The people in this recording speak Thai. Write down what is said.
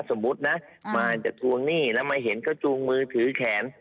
สมมุตินะมาจะทวงหนี้แล้วมาเห็นก็จูงมือถือแขน